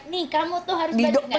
nih kamu tuh harus